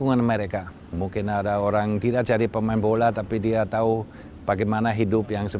anak anak yang berada di bawah tim ini